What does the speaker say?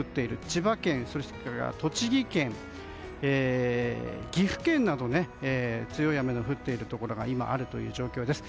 千葉県、栃木県、岐阜県などで強い雨が降っているところが今あるという状況です。